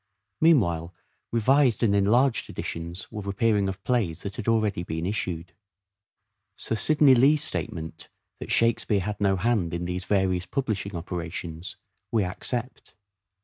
Meanwhile revised and enlarged editions were appear ing of plays that had already been issued. Sir Sidney Lee's statement that Shakspere had no hand in these various publishing operations we accept.